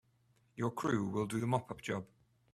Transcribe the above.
Your crew will do the mop up job.